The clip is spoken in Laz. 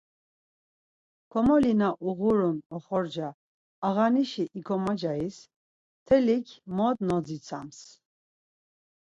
Komoli na uğurun oxorca ağanişi ikomocayiz tellik mod nodzitsamt.